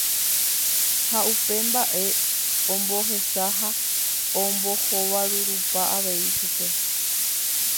Ha upe mba'e ombohesa ha ombohovarurupa avei chupe.